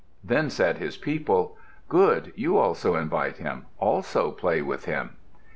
Then said his people, "Good! You also invite him. Also play with him."